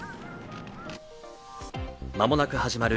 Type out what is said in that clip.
間もなく始まる